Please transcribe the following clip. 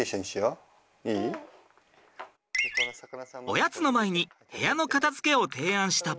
おやつの前に部屋の片づけを提案したパパ。